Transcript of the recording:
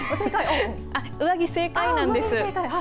上着、正解なんです。